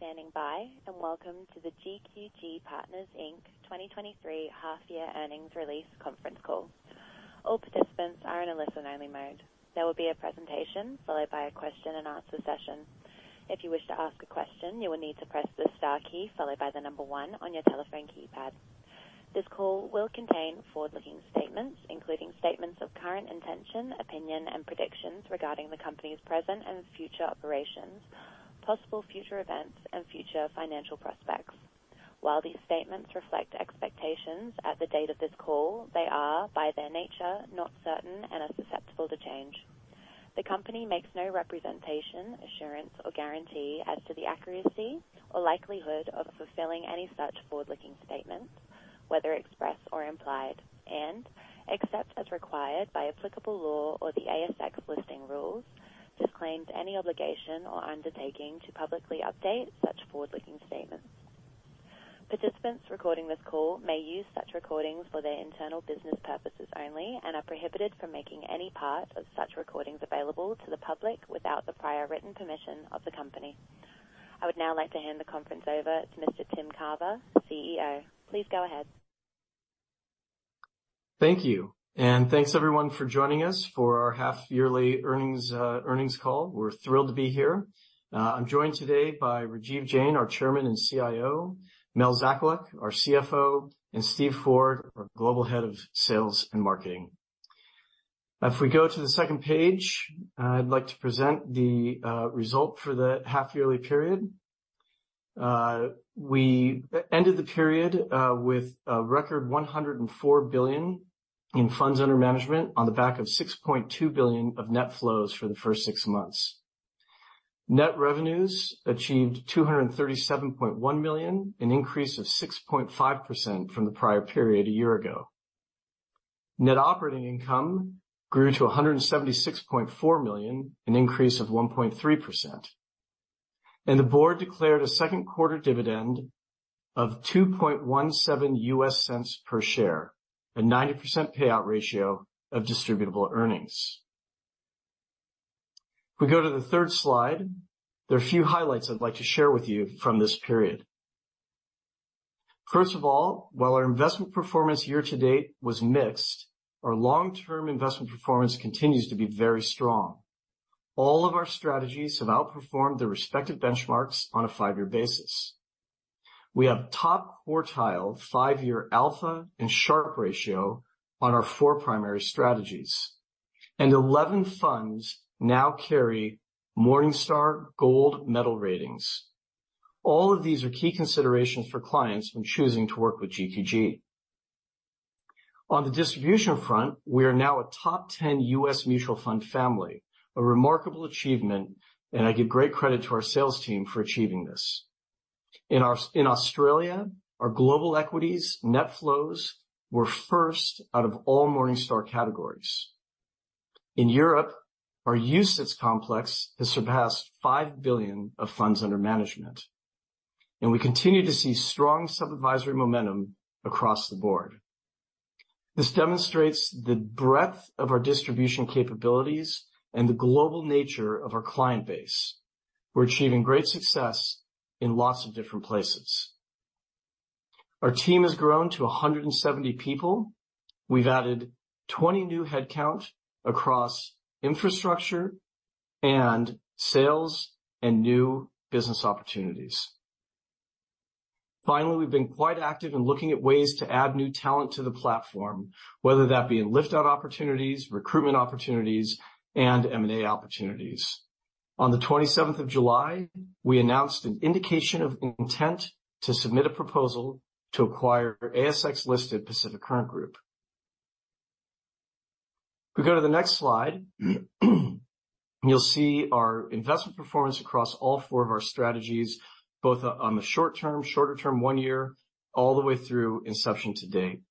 Thank you for standing by, welcome to the GQG Partners, Inc. 2023 half year earnings release conference call. All participants are in a listen-only mode. There will be a presentation followed by a question and answer session. If you wish to ask a question, you will need to press the star key followed by the one on your telephone keypad. This call will contain forward-looking statements, including statements of current intention, opinion, and predictions regarding the company's present and future operations, possible future events, and future financial prospects. While these statements reflect expectations at the date of this call, they are, by their nature, not certain and are susceptible to change. The company makes no representation, assurance, or guarantee as to the accuracy or likelihood of fulfilling any such forward-looking statements, whether expressed or implied. Except as required by applicable law or the ASX Listing Rules, disclaims any obligation or undertaking to publicly update such forward-looking statements. Participants recording this call may use such recordings for their internal business purposes only and are prohibited from making any part of such recordings available to the public without the prior written permission of the company. I would now like to hand the conference over to Mr. Tim Carver, CEO. Please go ahead. Thank you. Thanks, everyone, for joining us for our half yearly earnings earnings call. We're thrilled to be here. I'm joined today by Rajiv Jain, our Chairman and CIO, Melodie Zakaluk, our CFO, and Steve Ford, our Global Head of Sales and Marketing. If we go to the second page, I'd like to present the result for the half yearly period. We ended the period with a record $104 billion in funds under management on the back of $6.2 billion of net flows for the first six months. Net revenues achieved $237.1 million, an increase of 6.5% from the prior period a year ago. Net Operating Income grew to $176.4 million, an increase of 1.3%, the board declared a second quarter dividend of $0.0217 per share, a 90% payout ratio of distributable earnings. If we go to the third slide, there are a few highlights I'd like to share with you from this period. First of all, while our investment performance year-to-date was mixed, our long-term investment performance continues to be very strong. All of our strategies have outperformed their respective benchmarks on a 5-year basis. We have top quartile, 5-year alpha and Sharpe ratio on our four primary strategies, and 11 funds now carry Morningstar Gold Medalist Ratings. All of these are key considerations for clients when choosing to work with GQG. On the distribution front, we are now a top 10 U.S. mutual fund family. A remarkable achievement, and I give great credit to our sales team for achieving this. In Australia, our global equities net flows were first out of all Morningstar categories. In Europe, our UCITS complex has surpassed 5 billion of funds under management. We continue to see strong sub-advisory momentum across the board. This demonstrates the breadth of our distribution capabilities and the global nature of our client base. We're achieving great success in lots of different places. Our team has grown to 170 people. We've added 20 new headcount across infrastructure and sales and new business opportunities. Finally, we've been quite active in looking at ways to add new talent to the platform, whether that be in lift-out opportunities, recruitment opportunities, and M&A opportunities. On the 27th of July, we announced an indication of intent to submit a proposal to acquire ASX-listed Pacific Current Group. If we go to the next slide, you'll see our investment performance across all four of our strategies, both on the short term, shorter term, 1 year, all the way through inception to date.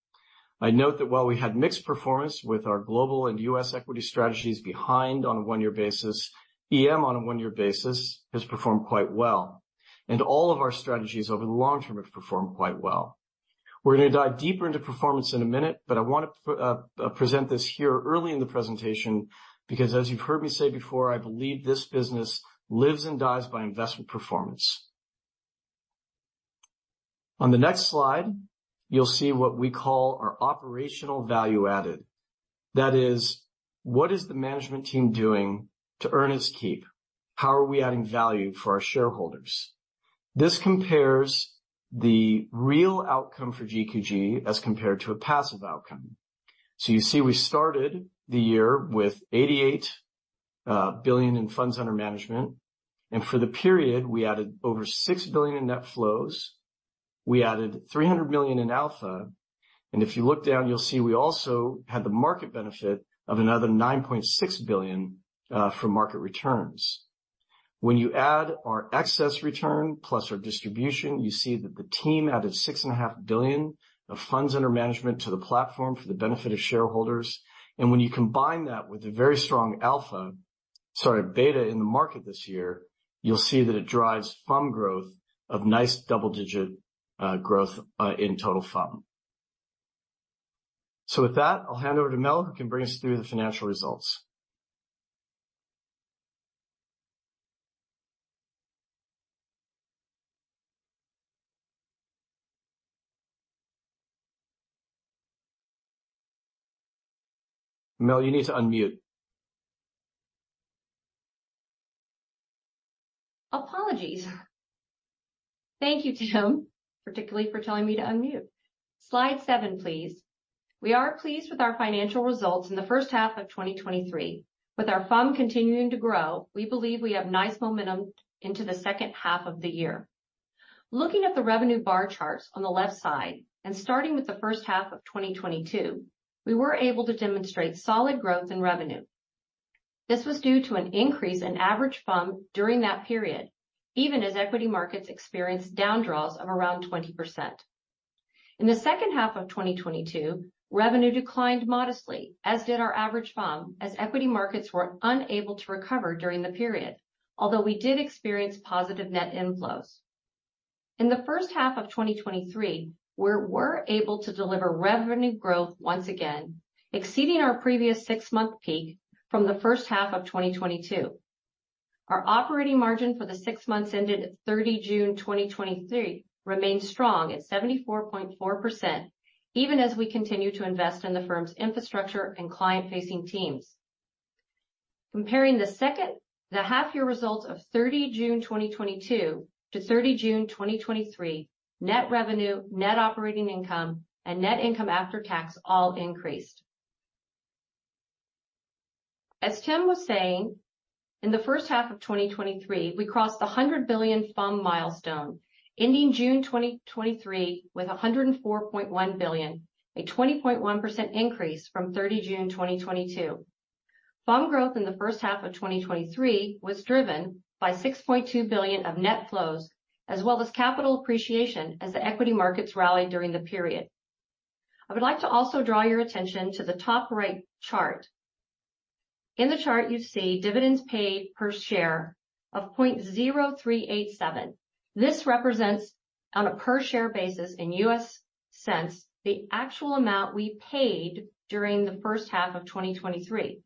I'd note that while we had mixed performance with our global and U.S. equity strategies behind on a one-year basis, EM on a one-year basis has performed quite well. All of our strategies over the long term have performed quite well. We're going to dive deeper into performance in a minute, I want to present this here early in the presentation, because as you've heard me say before, I believe this business lives and dies by investment performance. On the next slide, you'll see what we call our operational value added. That is, what is the management team doing to earn its keep? How are we adding value for our shareholders? This compares the real outcome for GQG as compared to a passive outcome. You see, we started the year with $88 billion in funds under management, and for the period, we added over $6 billion in net flows. We added $300 million in alpha, and if you look down, you'll see we also had the market benefit of another $9.6 billion from market returns. When you add our excess return plus our distribution, you see that the team added $6.5 billion of funds under management to the platform for the benefit of shareholders. When you combine that with a very strong alpha, sorry, beta in the market this year, you'll see that it drives FUM growth of nice double-digit growth in total FUM. With that, I'll hand over to Mel, who can bring us through the financial results. Mel, you need to unmute. Apologies. Thank you, Tim, particularly for telling me to unmute. Slide seven, please. We are pleased with our financial results in the first half of 2023. With our FUM continuing to grow, we believe we have nice momentum into the second half of the year. Looking at the revenue bar charts on the left side, starting with the first half of 2022, we were able to demonstrate solid growth in revenue. This was due to an increase in average FUM during that period, even as equity markets experienced downdraws of around 20%. In the second half of 2022, revenue declined modestly, as did our average FUM, as equity markets were unable to recover during the period, although we did experience positive net inflows. In the first half of 2023, we're able to deliver revenue growth once again, exceeding our previous six-month peak from the first half of 2022. Our Operating Margin for the six months ended 30 June 2023, remained strong at 74.4%, even as we continue to invest in the firm's infrastructure and client-facing teams. Comparing the half-year results of 30 June 2022 to 30 June 2023, net revenue, Net Operating Income, and Net Income After Tax all increased. As Tim was saying, in the first half of 2023, we crossed the $100 billion FUM milestone, ending June 2023 with $104.1 billion, a 20.1% increase from 30 June 2022. FUM growth in the first half of 2023 was driven by $6.2 billion of net flows, as well as capital appreciation as the equity markets rallied during the period. I would like to also draw your attention to the top right chart. In the chart, you see dividends paid per share of $0.0387. This represents, on a per-share basis in US cents, the actual amount we paid during the first half of 2023.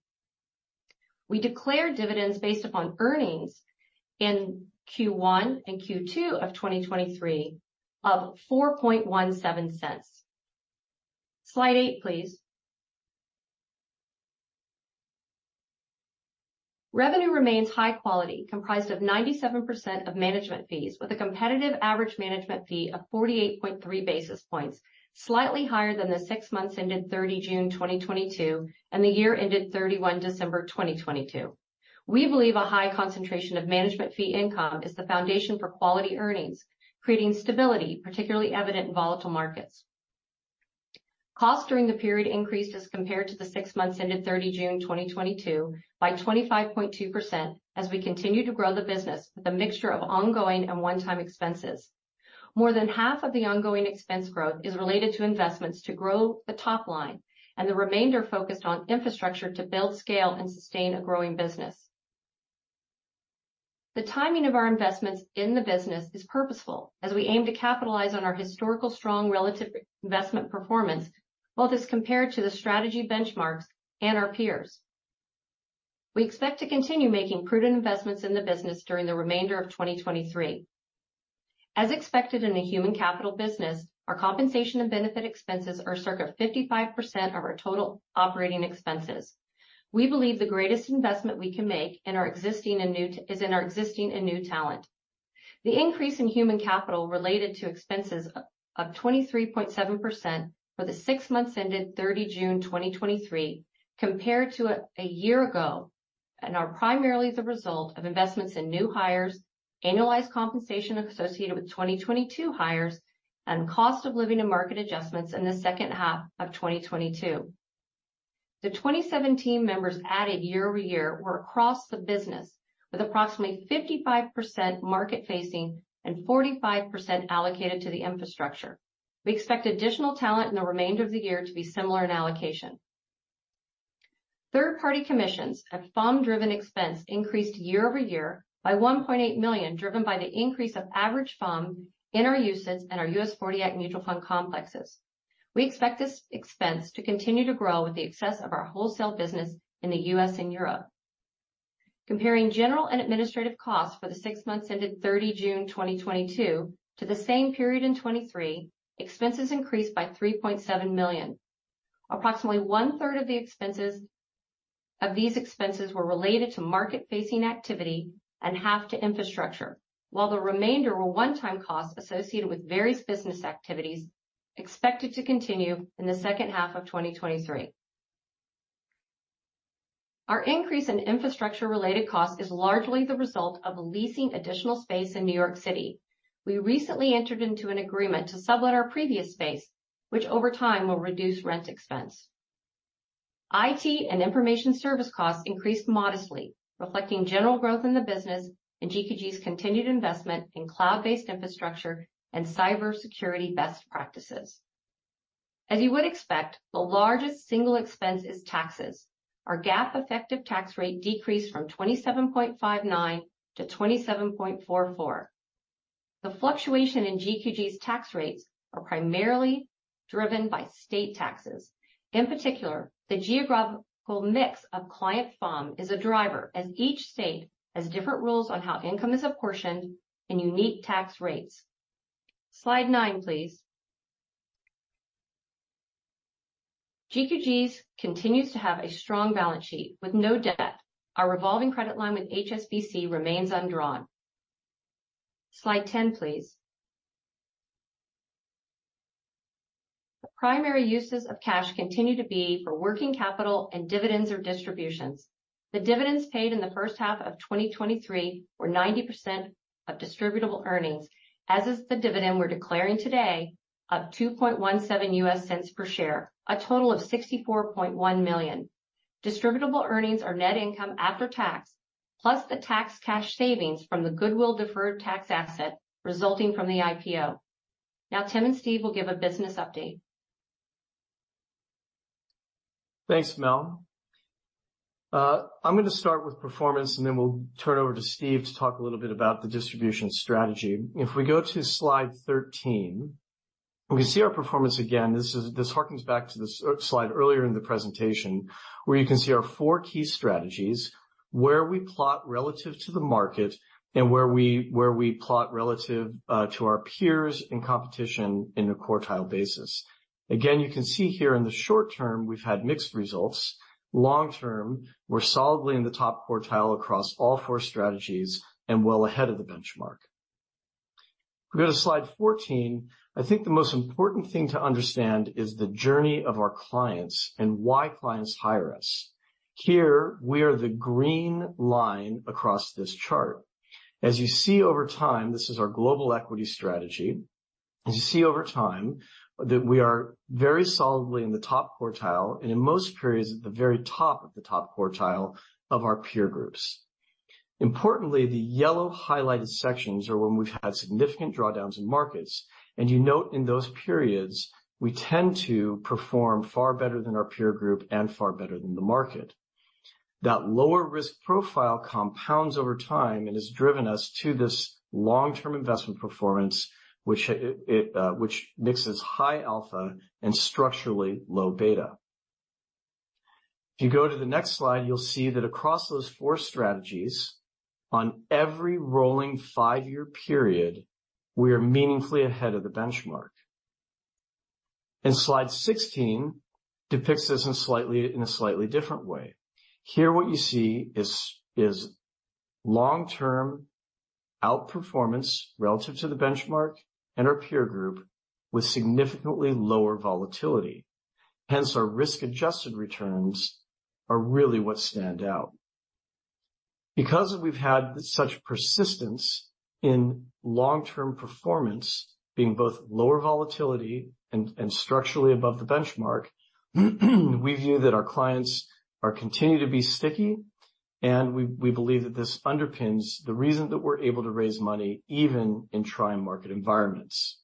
We declared dividends based upon earnings in Q1 and Q2 of 2023 of $0.0417. Slide eight, please. Revenue remains high quality, comprised of 97% of Management Fees, with a competitive average Management Fee of 48.3 basis points, slightly higher than the six months ended 30 June 2022 and the year ended 31 December 2022. We believe a high concentration of management fee income is the foundation for quality earnings, creating stability, particularly evident in volatile markets. Costs during the period increased as compared to the six months ended 30 June 2022 by 25.2%, as we continue to grow the business with a mixture of ongoing and one-time expenses. More than half of the ongoing expense growth is related to investments to grow the top line, and the remainder focused on infrastructure to build, scale, and sustain a growing business. The timing of our investments in the business is purposeful, as we aim to capitalize on our historical, strong, relative investment performance, both as compared to the strategy benchmarks and our peers. We expect to continue making prudent investments in the business during the remainder of 2023. As expected in the human capital business, our compensation and benefit expenses are circa 55% of our total operating expenses. We believe the greatest investment we can make is in our existing and new talent. The increase in human capital related to expenses of 23.7% for the six months ended 30 June 2023, compared to a year ago, and are primarily the result of investments in new hires, annualized compensation associated with 2022 hires, and cost of living and market adjustments in the second half of 2022. The 27 team members added year-over-year were across the business, with approximately 55% market-facing and 45% allocated to the infrastructure. We expect additional talent in the remainder of the year to be similar in allocation. Third-party commissions, a FUM-driven expense, increased year-over-year by $1.8 million, driven by the increase of average FUM in our UCITS and our US 40 Act mutual fund complexes. We expect this expense to continue to grow with the success of our wholesale business in the U.S. and Europe. Comparing general and administrative costs for the six months ended 30 June 2022 to the same period in 2023, expenses increased by $3.7 million. Approximately one-third of these expenses were related to market-facing activity and half to infrastructure, while the remainder were one-time costs associated with various business activities expected to continue in the second half of 2023. Our increase in infrastructure-related costs is largely the result of leasing additional space in New York City. We recently entered into an agreement to sublet our previous space, which over time will reduce rent expense. IT and information service costs increased modestly, reflecting general growth in the business and GQG's continued investment in cloud-based infrastructure and cybersecurity best practices. As you would expect, the largest single expense is taxes. Our GAAP effective tax rate decreased from 27.59%-27.44%. The fluctuation in GQG's tax rates are primarily driven by state taxes. In particular, the geographical mix of client FUM is a driver, as each state has different rules on how income is apportioned and unique tax rates. Slide nine, please. GQG's continues to have a strong balance sheet with no debt. Our revolving credit line with HSBC remains undrawn. Slide 10, please. The primary uses of cash continue to be for working capital and dividends or distributions. The dividends paid in the first half of 2023 were 90% of distributable earnings, as is the dividend we're declaring today of $0.0217 per share, a total of $64.1 million. Distributable earnings are Net Income After Tax, plus the tax cash savings from the goodwill deferred tax asset resulting from the IPO. Tim and Steve will give a business update. Thanks, Mel. I'm gonna start with performance, and then we'll turn it over to Steve to talk a little bit about the distribution strategy. If we go to slide 13, we see our performance again. This is this harkens back to the slide earlier in the presentation, where you can see our four key strategies, where we plot relative to the market and where we, where we plot relative to our peers in competition in a quartile basis. Again, you can see here in the short term, we've had mixed results. Long term, we're solidly in the top quartile across all four strategies and well ahead of the benchmark. If we go to slide 14, I think the most important thing to understand is the journey of our clients and why clients hire us. Here, we are the green line across this chart. As you see over time, this is our global equity strategy. As you see over time, that we are very solidly in the top quartile, and in most periods, at the very top of the top quartile of our peer groups. Importantly, the yellow highlighted sections are when we've had significant drawdowns in markets, and you note in those periods, we tend to perform far better than our peer group and far better than the market. That lower risk profile compounds over time and has driven us to this long-term investment performance, which it, it, which mixes high alpha and structurally low beta. If you go to the next slide, you'll see that across those four strategies, on every rolling five-year period, we are meaningfully ahead of the benchmark. Slide 16 depicts this in slightly, in a slightly different way. Here, what you see is, is long-term outperformance relative to the benchmark and our peer group with significantly lower volatility. Hence, our risk-adjusted returns are really what stand out. Because we've had such persistence in long-term performance, being both lower volatility and, and structurally above the benchmark, we view that our clients are continuing to be sticky, and we, we believe that this underpins the reason that we're able to raise money even in trying market environments.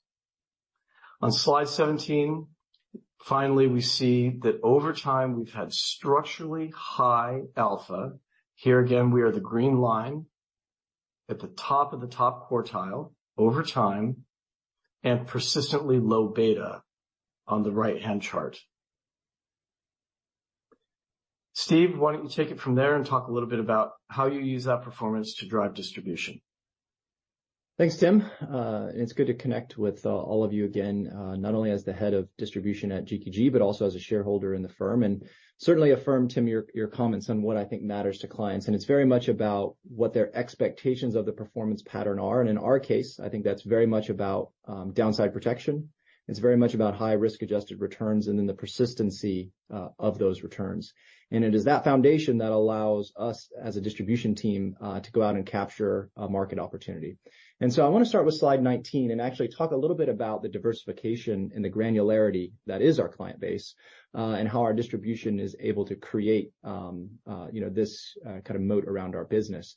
On slide 17, finally, we see that over time, we've had structurally high alpha. Here again, we are the green line at the top of the top quartile over time and persistently low beta on the right-hand chart. Steve, why don't you take it from there and talk a little bit about how you use that performance to drive distribution? Thanks, Tim. It's good to connect with all of you again, not only as the head of distribution at GQG, but also as a shareholder in the firm. Certainly affirm, Tim, your, your comments on what I think matters to clients, and it's very much about what their expectations of the performance pattern are. In our case, I think that's very much about downside protection. It's very much about high risk-adjusted returns and then the persistency of those returns. It is that foundation that allows us, as a distribution team, to go out and capture a market opportunity. So I want to start with slide 19 and actually talk a little bit about the diversification and the granularity that is our client base, and how our distribution is able to create, you know, this kind of moat around our business.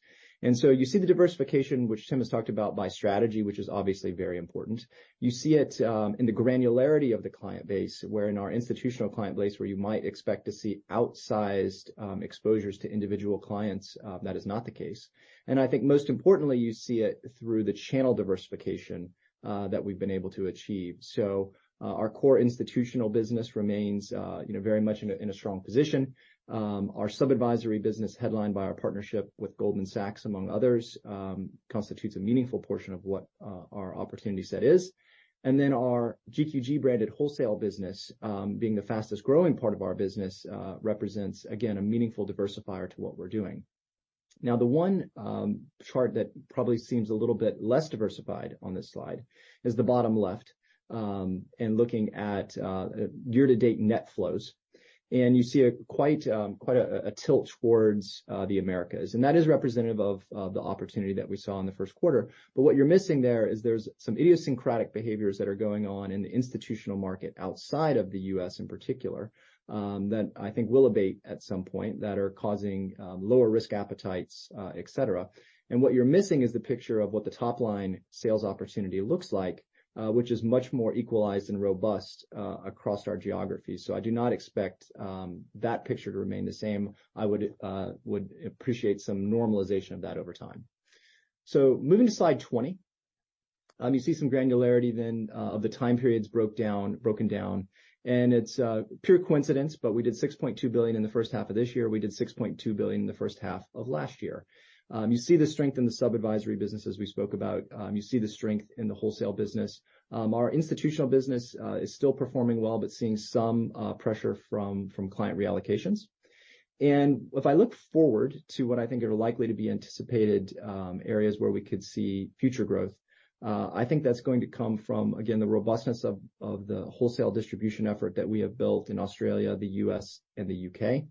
So you see the diversification, which Tim has talked about by strategy, which is obviously very important. You see it, in the granularity of the client base, where in our institutional client base, where you might expect to see outsized exposures to individual clients, that is not the case. I think most importantly, you see it through the channel diversification, that we've been able to achieve. So, our core institutional business remains, you know, very much in a strong position. Our sub-advisory business, headlined by our partnership with Goldman Sachs, among others, constitutes a meaningful portion of what our opportunity set is. Then our GQG-branded wholesale business, being the fastest growing part of our business, represents, again, a meaningful diversifier to what we're doing. The one chart that probably seems a little bit less diversified on this slide is the bottom left, and looking at year-to-date net flows. You see a quite, quite a tilt towards the Americas, and that is representative of the opportunity that we saw in the first quarter. What you're missing there is there's some idiosyncratic behaviors that are going on in the institutional market outside of the U.S., in particular, that I think will abate at some point, that are causing lower risk appetites, et cetera. What you're missing is the picture of what the top-line sales opportunity looks like, which is much more equalized and robust across our geography. I do not expect that picture to remain the same. I would appreciate some normalization of that over time. Moving to slide 20. You see some granularity then of the time periods broken down. It's pure coincidence, but we did $6.2 billion in the first half of this year. We did $6.2 billion in the first half of last year. You see the strength in the sub-advisory business as we spoke about, you see the strength in the wholesale business. Our institutional business is still performing well, but seeing some pressure from client reallocations. If I look forward to what I think are likely to be anticipated, areas where we could see future growth, I think that's going to come from, again, the robustness of the wholesale distribution effort that we have built in Australia, the U.S., and the U.K.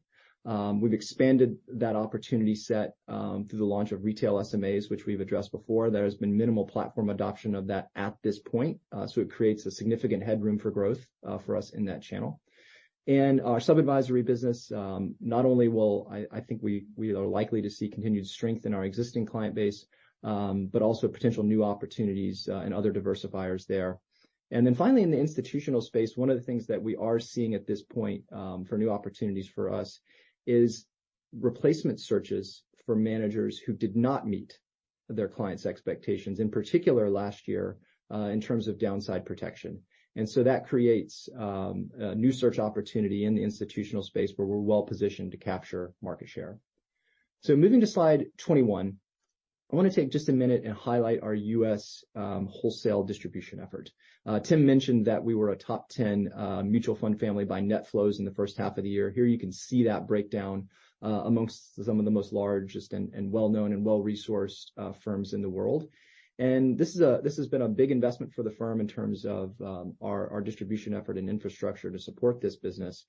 We've expanded that opportunity set through the launch of retail SMAs, which we've addressed before. There has been minimal platform adoption of that at this point, so it creates a significant headroom for growth for us in that channel. Our sub-advisory business, not only will I, I think we, we are likely to see continued strength in our existing client base, but also potential new opportunities and other diversifiers there. Finally, in the institutional space, one of the things that we are seeing at this point, for new opportunities for us is replacement searches for managers who did not meet their clients' expectations, in particular last year, in terms of downside protection. That creates a new search opportunity in the institutional space, where we're well-positioned to capture market share. Moving to slide 21, I wanna take just a minute and highlight our U.S. wholesale distribution effort. Tim mentioned that we were a top 10 mutual fund family by net flows in the first half of the year. Here, you can see that breakdown, amongst some of the most largest and, and well-known, and well-resourced, firms in the world. This has been a big investment for the firm in terms of our, our distribution effort and infrastructure to support this business.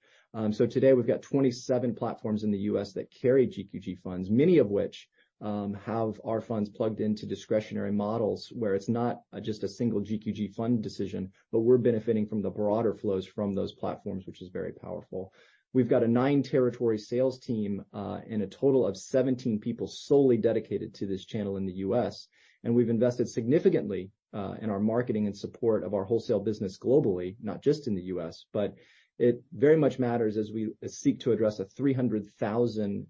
Today we've got 27 platforms in the U.S. that carry GQG funds, many of which have our funds plugged into discretionary models, where it's not just a single GQG fund decision, but we're benefiting from the broader flows from those platforms, which is very powerful. We've got a nine-territory sales team and a total of 17 people solely dedicated to this channel in the U.S. We've invested significantly in our marketing and support of our wholesale business globally, not just in the U.S., but it very much matters as we seek to address a 300,000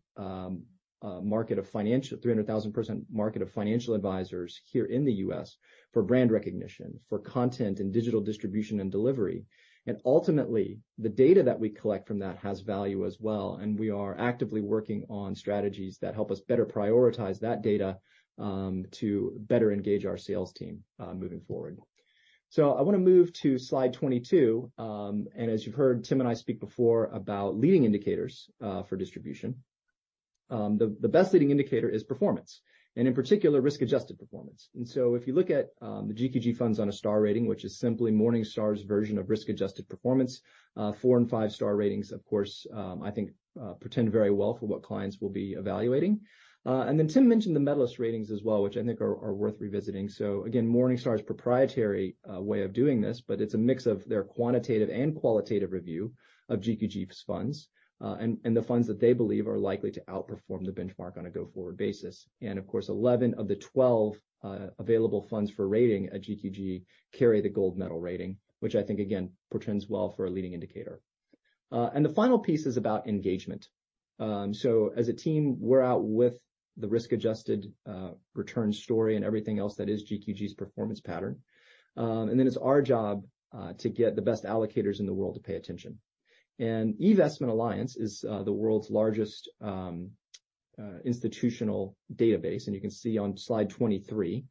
person market of financial advisors here in the U.S. for brand recognition, for content and digital distribution and delivery. Ultimately, the data that we collect from that has value as well, and we are actively working on strategies that help us better prioritize that data to better engage our sales team moving forward. I wanna move to slide 22. As you've heard Tim and I speak before about leading indicators for distribution. The best leading indicator is performance, and in particular, risk-adjusted performance. So if you look at the GQG funds on a star rating, which is simply Morningstar's version of risk-adjusted performance, 4 and 5-star ratings, of course, I think portend very well for what clients will be evaluating. Then Tim mentioned the Medalist Ratings as well, which I think are worth revisiting. Again, Morningstar's proprietary way of doing this, but it's a mix of their quantitative and qualitative review of GQG's funds and the funds that they believe are likely to outperform the benchmark on a go-forward basis. Of course, 11 of the 12 available funds for rating at GQG carry the Gold Medal Rating, which I think, again, portends well for a leading indicator. The final piece is about engagement. As a team, we're out with the risk-adjusted return story and everything else that is GQG's performance pattern. Then it's our job to get the best allocators in the world to pay attention. eVestment Alliance is the world's largest institutional database, and you can see on slide 23,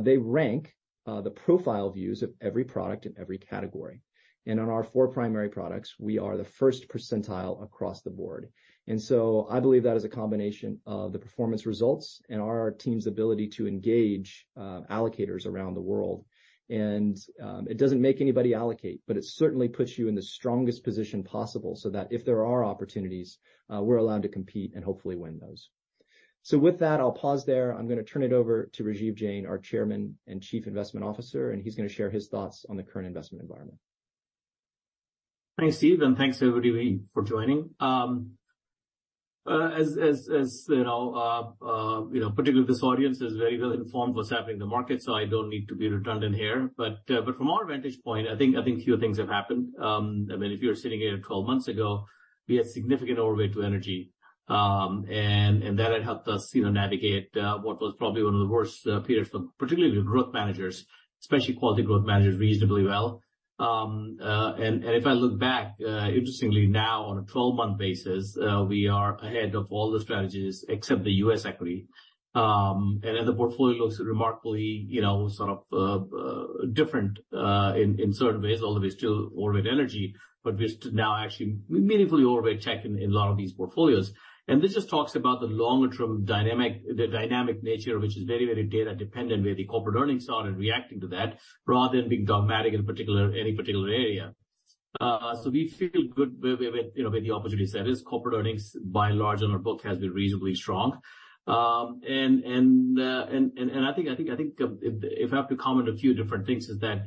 they rank the profile views of every product in every category. On our four primary products, we are the first percentile across the board. I believe that is a combination of the performance results and our team's ability to engage allocators around the world. It doesn't make anybody allocate, but it certainly puts you in the strongest position possible, so that if there are opportunities, we're allowed to compete and hopefully win those. With that, I'll pause there. I'm gonna turn it over to Rajiv Jain, our chairman and chief investment officer, and he's gonna share his thoughts on the current investment environment. Thanks, Steve, and thanks, everybody, for joining. You know, particularly this audience, is very well informed what's happening in the market, so I don't need to be redundant here. From our vantage point, I think, I think a few things have happened. I mean, if you were sitting here 12 months ago, we had significant overweight to energy, that had helped us navigate what was probably one of the worst periods for particularly the growth managers, especially quality growth managers, reasonably well. If I look back, interestingly now, on a 12th-month basis, we are ahead of all the strategies except the U.S. equity. Then the portfolio looks remarkably, you know, sort of, different, in certain ways, although we still overweight energy, but we're now actually meaningfully overweight tech in a lot of these portfolios. This just talks about the longer-term dynamic, the dynamic nature, which is very, very data dependent, where the corporate earnings are and reacting to that, rather than being dogmatic in particular, any particular area. We feel good with, with, you know, with the opportunity set is corporate earnings, by and large, on our book, has been reasonably strong. If I have to comment a few different things, is that,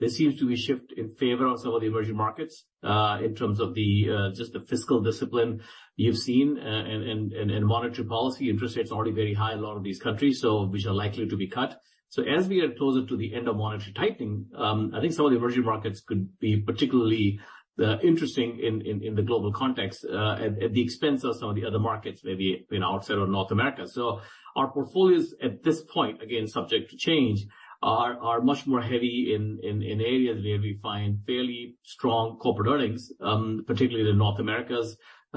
there seems to be a shift in favor of some of the emerging markets,- in terms of the just the fiscal discipline you've seen, and monetary policy, interest rates are already very high in a lot of these countries, which are likely to be cut. As we get closer to the end of monetary tightening, I think some of the emerging markets could be particularly interesting in the global context, at the expense of some of the other markets, maybe, you know, outside of North America. Our portfolios at this point, again, subject to change, are much more heavy in areas where we find fairly strong corporate earnings, particularly in North America,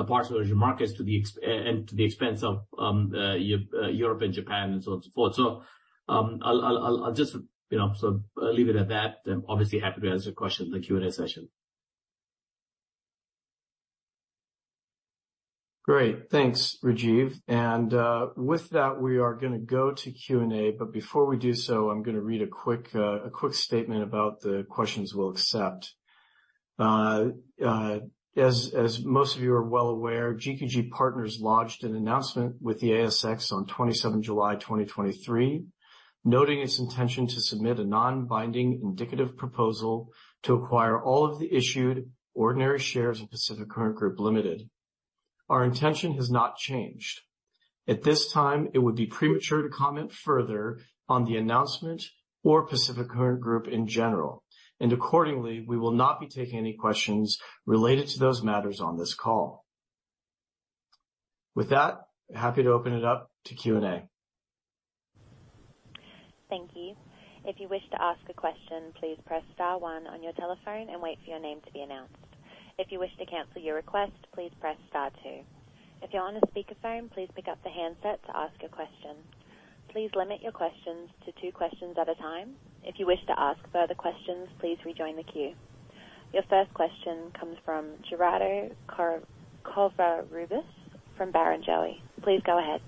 parts of emerging markets, and to the expense of Europe and Japan and so on, so forth. I'll just, you know, so leave it at that. I'm obviously happy to answer questions in the Q&A session. Great. Thanks, Rajiv. With that, we are gonna go to Q&A, but before we do so, I'm gonna read a quick, a quick statement about the questions we'll accept. As, as most of you are well aware, GQG Partners lodged an announcement with the ASX on 27 July 2023, noting its intention to submit a non-binding indicative proposal to acquire all of the issued ordinary shares of Pacific Current Group Limited. Our intention has not changed. At this time, it would be premature to comment further on the announcement or Pacific Current Group in general, and accordingly, we will not be taking any questions related to those matters on this call. With that, happy to open it up to Q&A. Thank you. If you wish to ask a question, please press star one on your telephone and wait for your name to be announced. If you wish to cancel your request, please press star two. If you're on a speakerphone, please pick up the handset to ask a question. Please limit your questions to two questions at a time. If you wish to ask further questions, please rejoin the queue. Your first question comes from Gerardo Covarrubias from Barrenjoey. Please go ahead.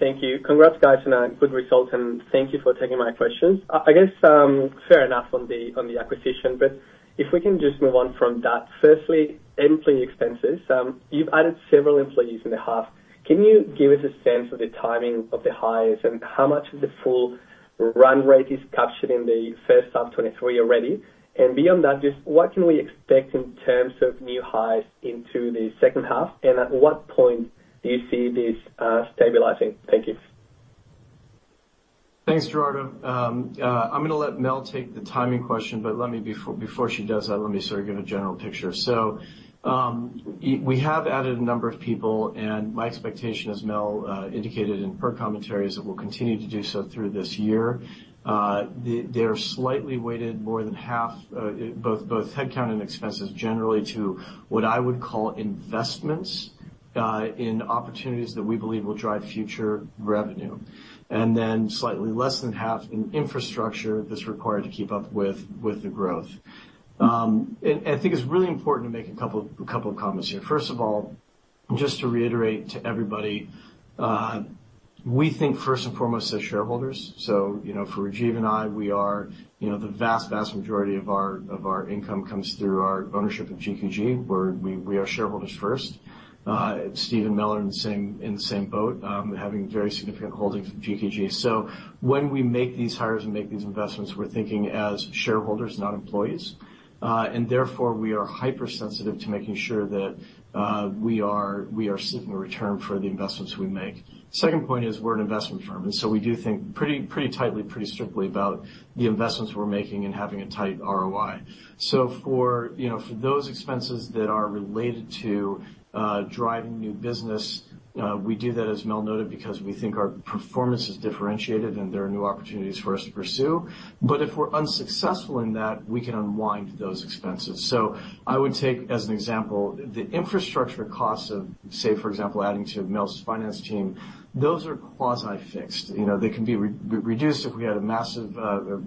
Thank you. Congrats, guys, on a good result. Thank you for taking my questions. I, I guess, fair enough on the, on the acquisition. If we can just move on from that. Firstly, employee expenses. You've added several employees in the half. Can you give us a sense of the timing of the hires and how much of the full run rate is captured in the first half 2023 already? Beyond that, just what can we expect in terms of new hires into the second half, and at what point do you see this stabilizing? Thank you. Thanks, Gerardo. I'm gonna let Mel take the timing question, but let me before, before she does that, let me sort of give a general picture. We have added a number of people, and my expectation, as Mel indicated in her commentary, is that we'll continue to do so through this year. They're slightly weighted, more than half, both, both headcount and expenses, generally to what I would call investments, in opportunities that we believe will drive future revenue, and then slightly less than half in infrastructure that's required to keep up with, with the growth. And I think it's really important to make a couple, a couple of comments here. First of all, just to reiterate to everybody, we think first and foremost as shareholders. You know, for Rajiv and I, we are you know, the vast, vast majority of our, of our income comes through our ownership of GQG, where we, we are shareholders first. Steve and Mel are in the same, in the same boat, having very significant holdings of GQG. When we make these hires and make these investments, we're thinking as shareholders, not employees, and therefore, we are hypersensitive to making sure that we are, we are seeing a return for the investments we make. Second point is, we're an investment firm, we do think pretty, pretty tightly, pretty strictly about the investments we're making and having a tight ROI. For, you know, for those expenses that are related to driving new business, we do that, as Mel noted, because we think our performance is differentiated and there are new opportunities for us to pursue. If we're unsuccessful in that, we can unwind those expenses. I would take, as an example, the infrastructure costs of, say, for example, adding to Mel's finance team. Those are quasi-fixed, you know. They can be reduced if we had a massive,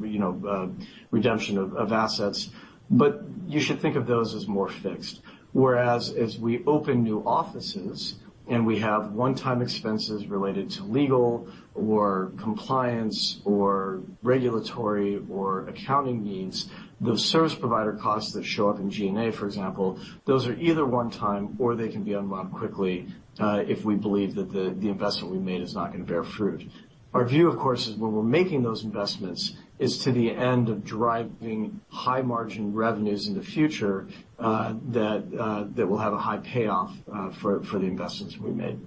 you know, redemption of assets, but you should think of those as more fixed. Whereas as we open new offices and we have one-time expenses related to legal or compliance or regulatory or accounting needs, those service provider costs that show up in G&A, for example, those are either one time or they can be unwound quickly, if we believe that the, the investment we made is not gonna bear fruit. Our view, of course, is when we're making those investments, is to the end of driving high-margin revenues in the future, that, that will have a high payoff, for, for the investments we made.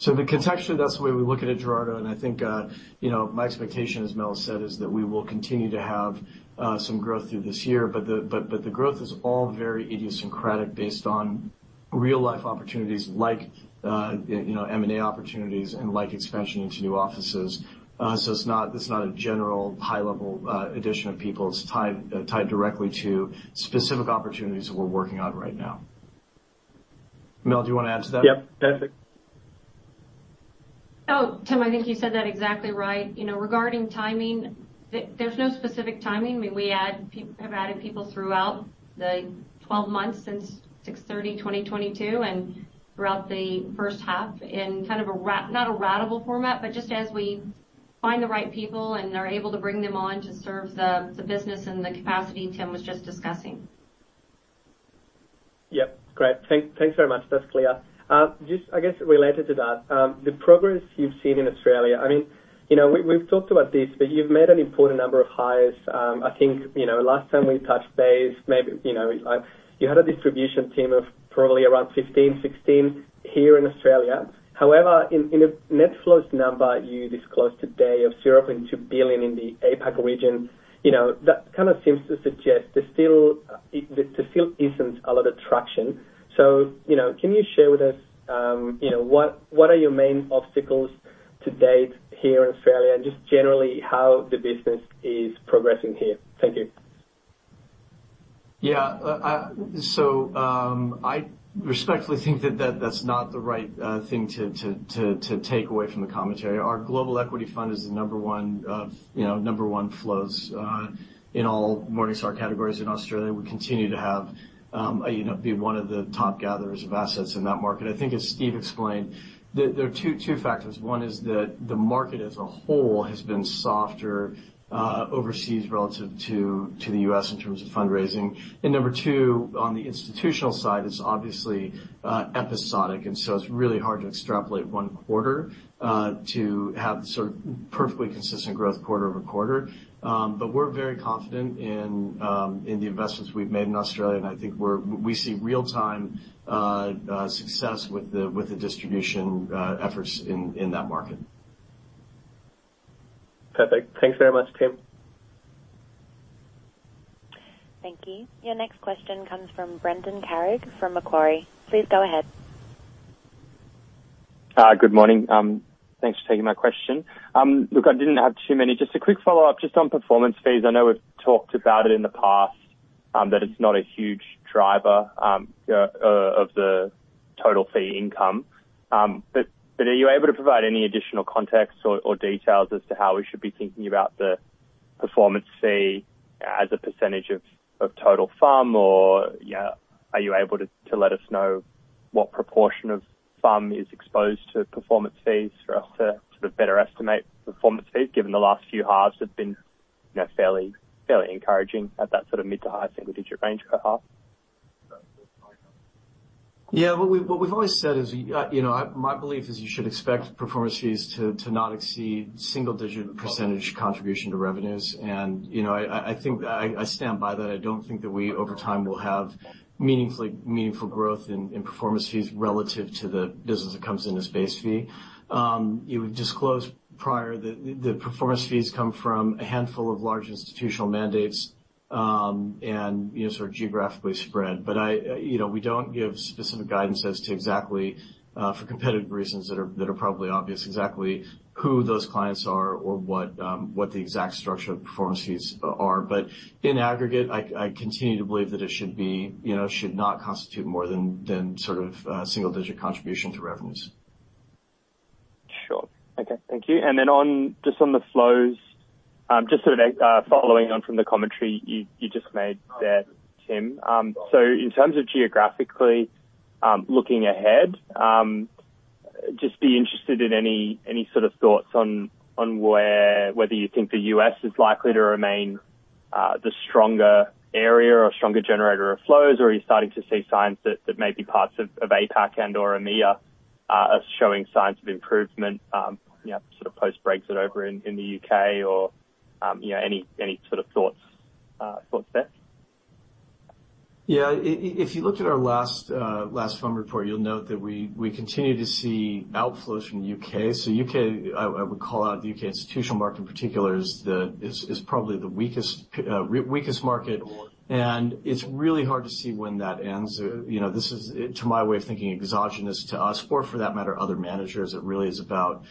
Contextually, that's the way we look at it, Gerardo. I think, you know, my expectation, as Mel said, is that we will continue to have some growth through this year, but the growth is all very idiosyncratic, based on real-life opportunities like, you know, M&A opportunities and like expansion into new offices. It's not this is not a general high-level addition of people. It's tied, tied directly to specific opportunities that we're working on right now. Mel, do you want to add to that? Yep, perfect. Oh, Tim, I think you said that exactly right. You know, regarding timing, there's no specific timing. I mean, we have added people throughout the 12 months since 6/30/2022, and throughout the first half in kind of a not a ratable format, but just as we find the right people and are able to bring them on to serve the, the business in the capacity Tim was just discussing. Yep, great. Thanks very much. That's clear. Just I guess related to that, I mean, you know, we've talked about this, but you've made an important number of hires. I think, you know, last time we touched base, maybe, you know, I you had a distribution team of probably around 15, 16 here in Australia. However, in a net flows number, you disclosed today of $0.2 billion in the APAC region. You know, that kind of seems to suggest there still isn't a lot of traction. You know, can you share with us, you know, what, what are your main obstacles to date here in Australia, and just generally, how the business is progressing here? Thank you. Yeah. I... So, I respectfully think that, that's not the right thing to take away from the commentary. Our global equity fund is the number one, you know, number one flows, in all Morningstar categories in Australia. We continue to have, you know, be one of the top gatherers of assets in that market. I think as Steve explained, there are two factors. One is that the market as a whole has been softer, overseas relative to the U.S. in terms of fundraising. Number two, on the institutional side, it's obviously episodic, and so it's really hard to extrapolate one quarter to have sort of perfectly consistent growth quarter-over-quarter. We're very confident in, in the investments we've made in Australia, and I think we see real-time, success with the, with the distribution, efforts in, in that market. Perfect. Thanks very much, Tim. Thank you. Your next question comes from Brendan Carrig, from Macquarie. Please go ahead. Hi, good morning. Thanks for taking my question. Look, I didn't have too many. Just a quick follow-up, just on performance fees. I know we've talked about it in the past, that it's not a huge driver of the total fee income. Are you able to provide any additional context or, or details as to how we should be thinking about the performance fee as a percentage of total FUM or, yeah, are you able to let us know what proportion of FUM is exposed to performance fees for us to sort of better estimate performance fees, given the last few halves have been, you know, fairly, fairly encouraging at that sort of mid-to-high single-digit range per half? Yeah, what we've, what we've always said is, you know, I- my belief is you should expect performance fees to, to not exceed single digit percentage contribution to revenues. You know, I, I, I think I, I stand by that. I don't think that we, over time, will have meaningfully meaningful growth in, in performance fees relative to the business that comes in as base fee. You've disclosed prior that the, the performance fees come from a handful of large institutional mandates, and, you know, sort of geographically spread. I, you know, we don't give specific guidance as to exactly, for competitive reasons that are, that are probably obvious, exactly who those clients are or what, what the exact structure of the performance fees are. In aggregate, I, I continue to believe that it should be... You know, should not constitute more than, than sort of, single-digit contribution to revenues. Sure. Okay, thank you. On, just on the flows, just sort of following on from the commentary you, you just made there, Tim. In terms of geographically, looking ahead, just be interested in any, any sort of thoughts on whether you think the U.S. is likely to remain the stronger area or stronger generator of flows, or are you starting to see signs that, that maybe parts of APAC and/or EMEA are showing signs of improvement, you know, sort of post-Brexit over in the U.K. or, you know, any, any sort of thoughts, thoughts there? Yeah. I- i- if you looked at our last, last FUM report, you'll note that we, we continue to see outflows from the U.K. U.K., I, I would call out the U.K. institutional market in particular, is the, is probably the weakest, weakest market, and it's really hard to see when that ends. You know, this is, to my way of thinking, exogenous to us, or for that matter, other managers. It really is about,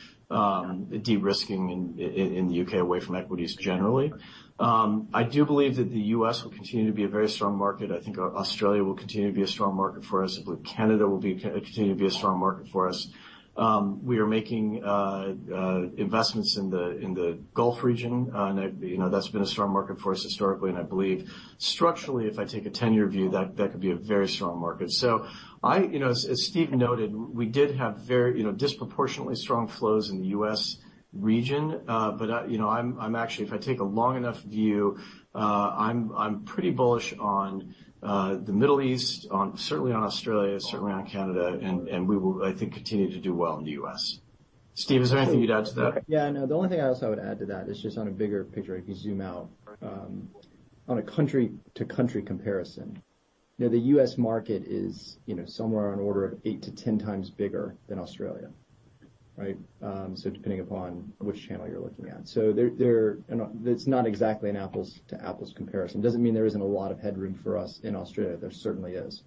de-risking in, in the U.K. away from equities generally. I do believe that the U.S. will continue to be a very strong market. I think Australia will continue to be a strong market for us. I believe Canada will be, continue to be a strong market for us. We are making investments in the Gulf region, you know, that's been a strong market for us historically. I believe structurally, if I take a 10-year view, that, that could be a very strong market. You know, as Steve noted, we did have very, you know, disproportionately strong flows in the U.S. region. You know, I'm actually, if I take a long enough view, I'm pretty bullish on the Middle East, certainly on Australia, certainly on Canada, and we will, I think, continue to do well in the U.S.. Steve, is there anything you'd add to that? Yeah, no, the only thing I also would add to that is just on a bigger picture, if you zoom out, on a country-to-country comparison. You know, the U.S. market is, you know, somewhere on order of 8-10 times bigger than Australia, right? Depending upon which channel you're looking at. There, there. You know, it's not exactly an apples to apples comparison. Doesn't mean there isn't a lot of headroom for us in Australia, there certainly is.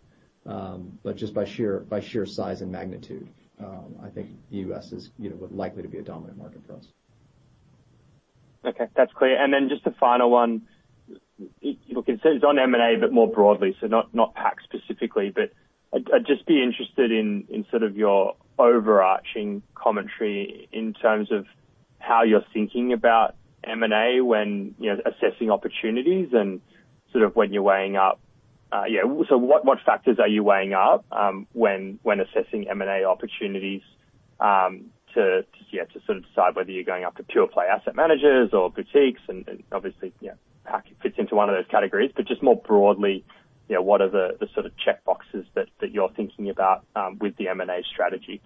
Just by sheer, by sheer size and magnitude, I think the U.S. is, you know, likely to be a dominant market for us. Okay, that's clear. Then just a final one. Look, it says on M&A, but more broadly, so not, not PAC specifically, but I'd, I'd just be interested in, in sort of your overarching commentary in terms of how you're thinking about M&A when, you know, assessing opportunities and sort of when you're weighing up, yeah, so what, what factors are you weighing up, when, when assessing M&A opportunities?... To, yeah, to sort of decide whether you're going after pure play asset managers or boutiques, and obviously, you know, how it fits into one of those categories. Just more broadly, you know, what are the sort of checkboxes that you're thinking about with the M&A strategy?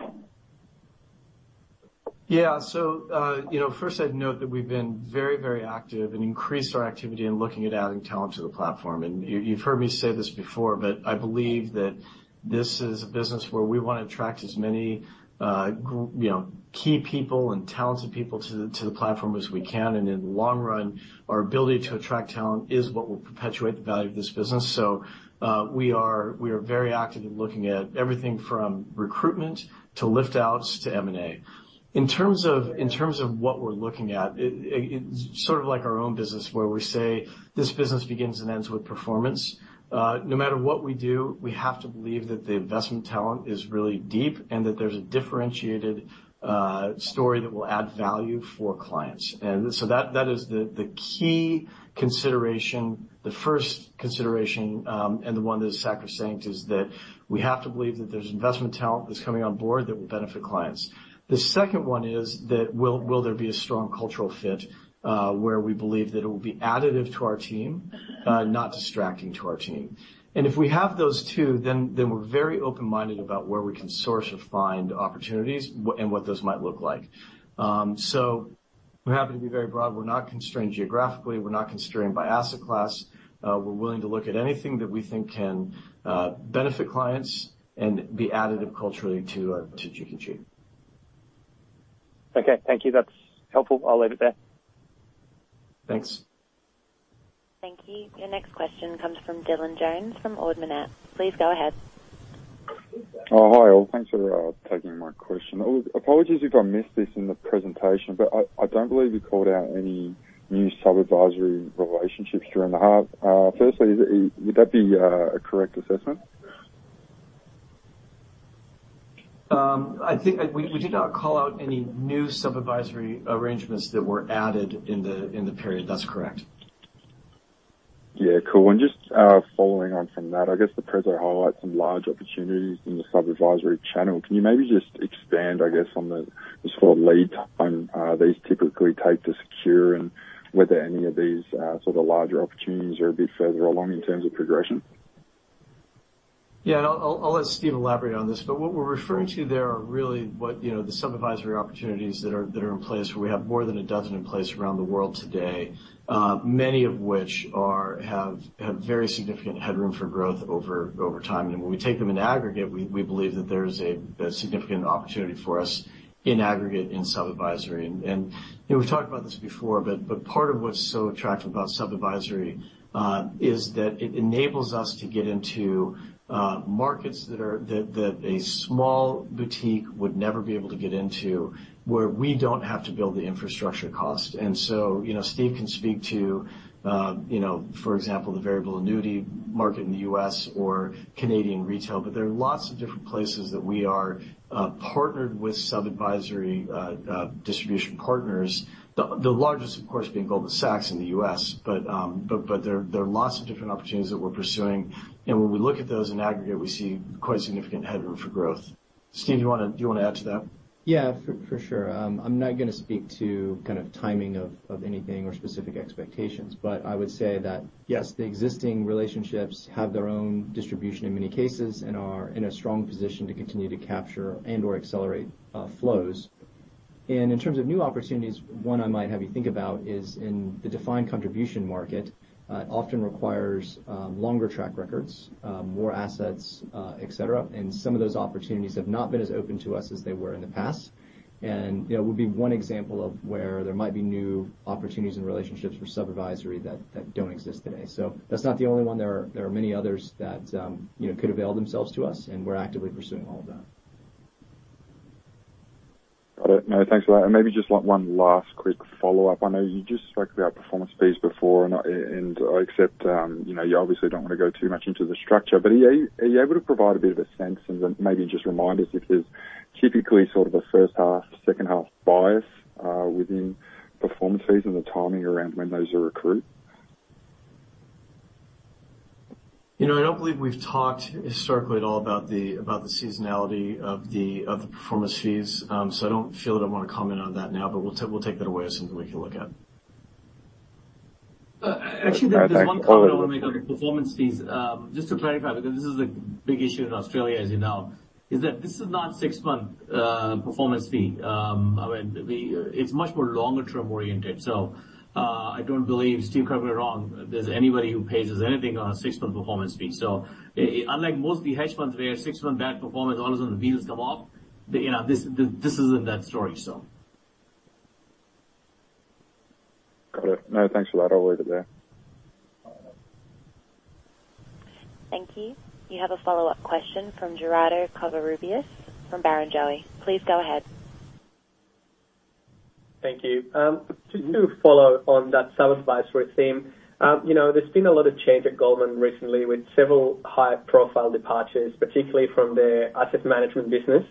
Yeah. You know, first I'd note that we've been very, very active and increased our activity in looking at adding talent to the platform. You, you've heard me say this before, but I believe that this is a business where we want to attract as many, you know, key people and talented people to the platform as we can. In the long run, our ability to attract talent is what will perpetuate the value of this business. We are very active in looking at everything from recruitment to lift-outs to M&A. In terms of what we're looking at, it's sort of like our own business, where we say this business begins and ends with performance. No matter what we do, we have to believe that the investment talent is really deep and that there's a differentiated story that will add value for clients. So that, that is the, the key consideration, the first consideration, and the one that is sacrosanct, is that we have to believe that there's investment talent that's coming on board that will benefit clients. The second one is that will, will there be a strong cultural fit, where we believe that it will be additive to our team, not distracting to our team? If we have those two, then, then we're very open-minded about where we can source or find opportunities and what those might look like. We're happy to be very broad. We're not constrained geographically. We're not constrained by asset class. We're willing to look at anything that we think can benefit clients and be additive culturally to GQG. Okay, thank you. That's helpful. I'll leave it there. Thanks. Thank you. Your next question comes from Dylan Jones, from Ord Minnett. Please go ahead. Oh, hi, all. Thanks for taking my question. Apologies if I missed this in the presentation, but I, I don't believe you called out any new sub-advisory relationships during the half. Firstly, is, would that be a correct assessment? I think... We, we did not call out any new sub-advisory arrangements that were added in the, in the period. That's correct. Yeah, cool. Just, following on from that, I guess the presenter highlights some large opportunities in the sub-advisory channel. Can you maybe just expand, I guess, on the sort of lead time, these typically take to secure, and whether any of these, sort of larger opportunities are a bit further along in terms of progression? Yeah, and I'll, I'll let Steve elaborate on this, but what we're referring to there are really what, you know, the sub-advisory opportunities that are, that are in place, where we have more than 12 in place around the world today, many of which are, have, have very significant headroom for growth over, over time. When we take them in aggregate, we, we believe that there's a, a significant opportunity for us in aggregate in sub-advisory. You know, we've talked about this before, but part of what's so attractive about sub-advisory, is that it enables us to get into markets that are, that a small boutique would never be able to get into, where we don't have to build the infrastructure cost. You know, Steve can speak to, you know, for example, the variable annuity market in the U.S. or Canadian retail, but there are lots of different places that we are partnered with sub-advisory distribution partners. The largest, of course, being Goldman Sachs in the U.S.. But there are lots of different opportunities that we're pursuing, and when we look at those in aggregate, we see quite significant headroom for growth. Steve, do you want to, do you want to add to that? Yeah, for, for sure. I'm not going to speak to kind of timing of, of anything or specific expectations, but I would say that, yes, the existing relationships have their own distribution in many cases, and are in a strong position to continue to capture and/or accelerate flows. In terms of new opportunities, one I might have you think about is in the defined contribution market, often requires longer track records, more assets, et cetera. Some of those opportunities have not been as open to us as they were in the past. You know, would be one example of where there might be new opportunities and relationships for sub-advisory that, that don't exist today. That's not the only one. There are, there are many others that, you know, could avail themselves to us, and we're actively pursuing all of them. Got it. No, thanks for that. Maybe just one, one last quick follow-up. I know you just spoke about performance fees before, and, and I accept, you know, you obviously don't want to go too much into the structure, but are you, are you able to provide a bit of a sense, and then maybe just remind us if there's typically sort of a first half, second half bias, within performance fees and the timing around when those are accrued? You know, I don't believe we've talked historically at all about the, about the seasonality of the, of the Performance Fees. I don't feel that I want to comment on that now, but we'll take, we'll take that away as something we can look at. Actually, there is one comment I want to make on the performance fees. Just to clarify, because this is a big issue in Australia, as you know, is that this is not 6-month performance fee. I mean, it's much more longer term-oriented, so I don't believe, Steve, correct me if I'm wrong, there's anybody who pays us anything on a 6-month performance fee. Unlike most of the hedge funds, where 6-month bad performance, all of a sudden the wheels come off, you know, this, this isn't that story. Got it. No, thanks a lot. I'll leave it there. Thank you. You have a follow-up question from Gerardo Covarrubias from Barrenjoey. Please go ahead. Thank you. Just to follow on that sub-advisory theme, you know, there's been a lot of change at Goldman recently with several high-profile departures, particularly from the asset management business.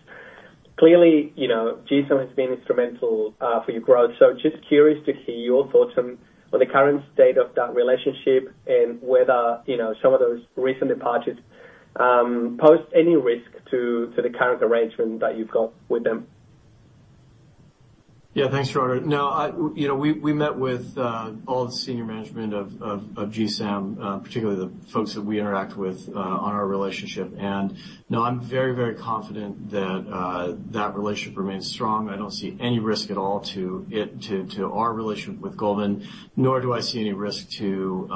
Clearly, you know, GSAM has been instrumental for your growth, so just curious to hear your thoughts on, on the current state of that relationship and whether, you know, some of those recent departures, pose any risk to, to the current arrangement that you've got with them? Yeah, thanks, Gerardo. No, I, you know, we, we met with all the senior management of, of, of GSAM, particularly the folks that we interact with on our relationship. No, I'm very, very confident that that relationship remains strong. I don't see any risk at all to it, to, to our relationship with Goldman, nor do I see any risk to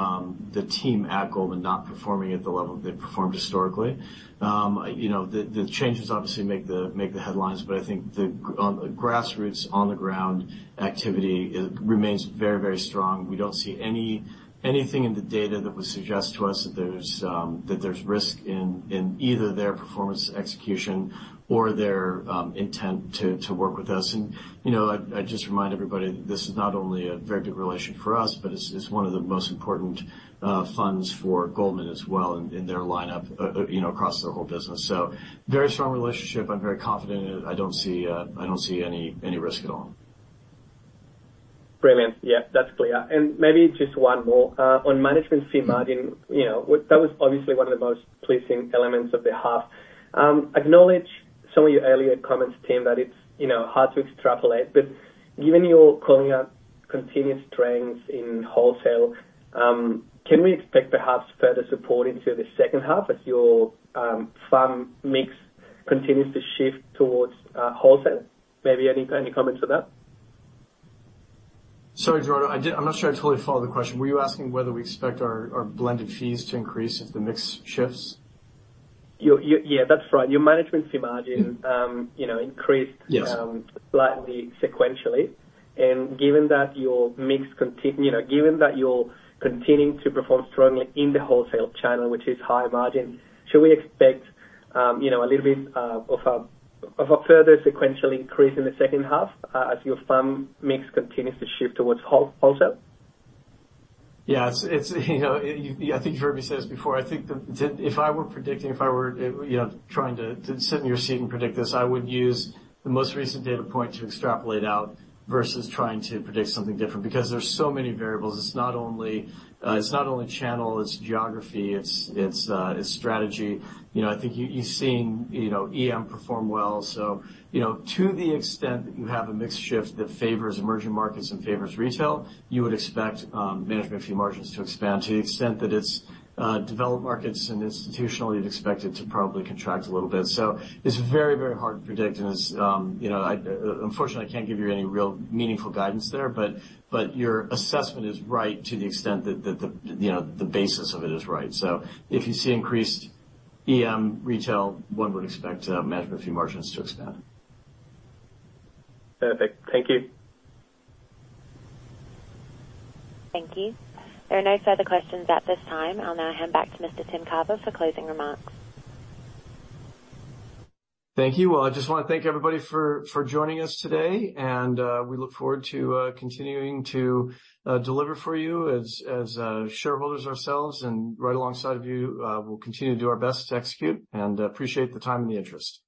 the team at Goldman not performing at the level they've performed historically. You know, the, the changes obviously make the, make the headlines, but I think the on the grassroots, on the ground activity, it remains very, very strong. We don't see anything in the data that would suggest to us that there's that there's risk in, in either their performance execution or their intent to, to work with us. You know, I, I just remind everybody, this is not only a very big relationship for us, but it's, it's one of the most important funds for Goldman as well in, in their lineup, you know, across their whole business. Very strong relationship. I'm very confident in it. I don't see, I don't see any, any risk at all. Brilliant. Yeah, that's clear. Maybe just one more. On management fee margin, you know, that was obviously one of the most pleasing elements of the half. Acknowledge some of your earlier comments, Tim, that it's, you know, hard to extrapolate, but given you're calling out continuous trends in wholesale, can we expect perhaps further support into the second half as your fund mix continues to shift towards wholesale? Maybe any, any comments on that? Sorry, Gerardo. I'm not sure I totally follow the question. Were you asking whether we expect our, our blended fees to increase if the mix shifts? Yeah, that's right. Your management fee margin, you know, increased. Yes. Slightly sequentially. Given that your mix you know, given that you're continuing to perform strongly in the wholesale channel, which is high margin, should we expect, you know, a little bit of a further sequential increase in the second half as your fund mix continues to shift towards wholesale? Yeah, it's, it's, you know, I think you've heard me say this before. I think if I were predicting, if I were, you know, trying to, to sit in your seat and predict this, I would use the most recent data point to extrapolate out versus trying to predict something different, because there's so many variables. It's not only channel, it's geography, it's, it's strategy. You know, I think you, you're seeing, you know, EM perform well. You know, to the extent that you have a mix shift that favors emerging markets and favors retail, you would expect management fee margins to expand. To the extent that it's developed markets and institutional, you'd expect it to probably contract a little bit. It's very, very hard to predict, and it's, you know, I, unfortunately, I can't give you any real meaningful guidance there. Your assessment is right to the extent that, that the, you know, the basis of it is right. If you see increased EM retail, one would expect management fee margins to expand. Perfect. Thank you. Thank you. There are no further questions at this time. I'll now hand back to Mr. Tim Carver for closing remarks. Thank you. Well, I just want to thank everybody for, for joining us today, and we look forward to continuing to deliver for you as, as shareholders ourselves, and right alongside of you, we'll continue to do our best to execute, and appreciate the time and the interest.